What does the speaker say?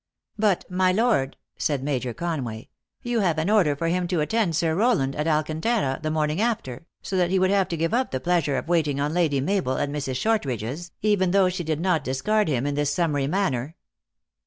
u But, my lord," said Major Con way, " you have an order for him to attend Sir Rowland, at Alcantara the morning after, so that he would have to give up the pleasure of waiting on Lady Mabel at Mrs. Short ridge s, even though she did not discard him in this summary manner."